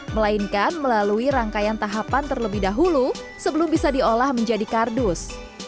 melainkan melalui rangkaian tahapan terlebih dahulu sebelum bisa diolah menjadi kardus